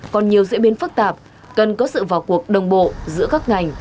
còn nhiều diễn biến phức tạp cần có sự vào cuộc đồng bộ giữa các ngành